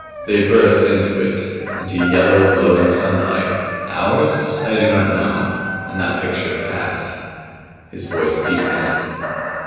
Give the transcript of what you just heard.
They burst into it into yellow, glowing sunlight. Ours? I do not know. And that picture passed." His voice deepened.